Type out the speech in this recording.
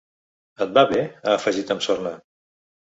Et va bé?, ha afegit amb sorna.